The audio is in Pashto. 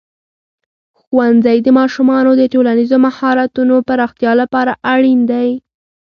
ښوونځی د ماشومانو د ټولنیزو مهارتونو پراختیا لپاره اړین دی.